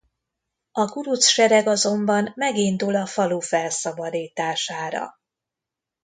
A kuruc sereg azonban megindul a falu felszabadítására.